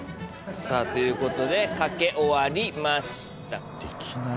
さぁということで賭け終わりました。